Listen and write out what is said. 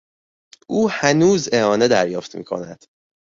او هنوز اعانه دریافت میکند.